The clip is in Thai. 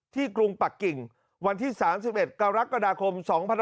ที่กรุงปะกิ่งวันที่๓๑กรกฎาคม๒๑๕๑